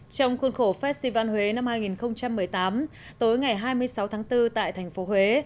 trong khuôn khổ festival huế năm hai nghìn một mươi tám tối ngày hai mươi sáu tháng bốn tại thành phố huế